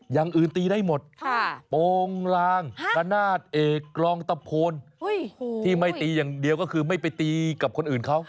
อย่างอื่นตีได้หมดโปรงลางระนาดเอกกรองตะโพนที่ไม่ตีอย่างเดียวก็คือไม่ไปตีกับคนอื่นเขา